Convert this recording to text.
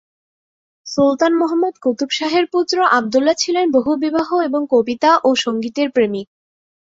সুলতান মুহাম্মদ কুতুব শাহের পুত্র আবদুল্লাহ ছিলেন বহুবিবাহ এবং কবিতা ও সংগীতের প্রেমিক।